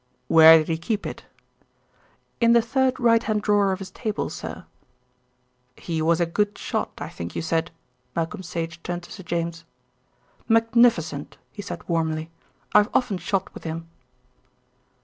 "Where did he keep it?" "In the third right hand drawer of his table, sir." "He was a good shot, I think you said?" Malcolm Sage turned to Sir James. "Magnificent," he said warmly. "I have often shot with him."